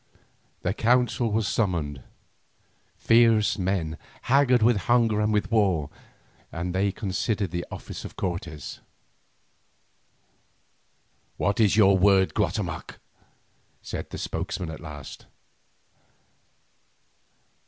The council was summoned—fierce men, haggard with hunger and with war, and they considered the offer of Cortes. "What is your word, Guatemoc?" said their spokesman at last.